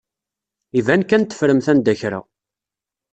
Iban kan teffremt anda n kra.